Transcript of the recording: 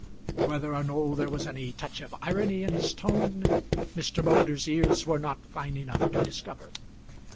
Whether or no there was any touch of irony in his tone, Mr. Moulder's ears were not fine enough to discover.